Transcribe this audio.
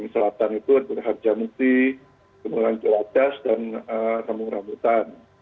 selatan itu berharga muti kemudian jeladas dan rambutan